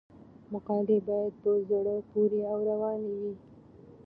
مقالې باید په زړه پورې او روانې وي.